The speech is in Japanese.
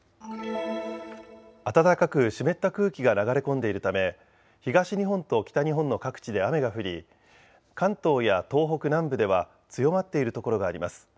暖かく湿った空気が流れ込んでいるため東日本と北日本の各地で雨が降り関東や東北南部では強まっているところがあります。